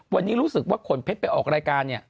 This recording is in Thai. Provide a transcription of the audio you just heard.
วันนี้รู้สึกว่าขนเพชรไปออกรายการเนี่ย